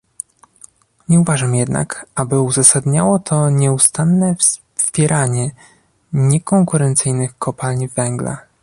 Nie uważam jednak, aby uzasadniało to nieustanne wpieranie niekonkurencyjnych kopalń węgla